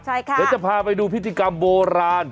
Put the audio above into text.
เดี๋ยวจะพาไปดูพิธีกรรมโบราณ